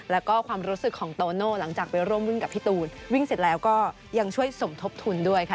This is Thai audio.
แล้วก็ความรู้สึกของโตโน่หลังจากไปร่วมวิ่งกับพี่ตูนวิ่งเสร็จแล้วก็ยังช่วยสมทบทุนด้วยค่ะ